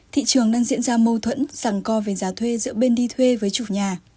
thị trường đang diễn ra mâu thuẫn rằng co về giá thuê giữa bên đi thuê với chủ nhà